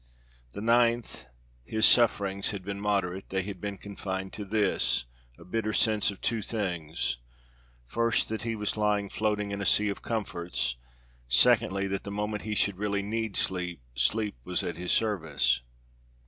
The ninth his sufferings had been moderate; they had been confined to this a bitter sense of two things; first, that he was lying floating in a sea of comforts; secondly, that the moment he should really need sleep, sleep was at his service.